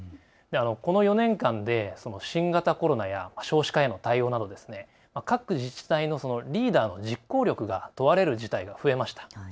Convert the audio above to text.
この４年間で新型コロナや少子化への対応など各自治体のリーダーの実行力が問われる事態が増えました。